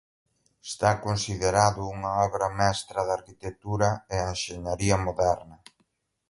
Está considerado unha obra mestra da arquitectura e a enxeñaría moderna.